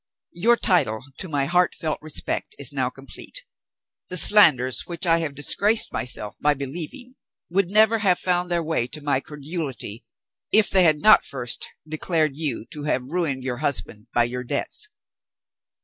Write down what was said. Your title to my heart felt respect is now complete. The slanders which I have disgraced myself by believing would never have found their way to my credulity, if they had not first declared you to have ruined your husband by your debts.